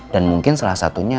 dan mungkin salah satunya